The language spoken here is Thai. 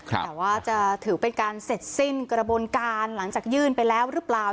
แต่ว่าจะถือเป็นการเสร็จสิ้นกระบวนการหลังจากยื่นไปแล้วหรือเปล่า